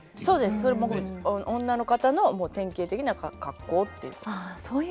それも女の方のもう典型的な格好っていうことです。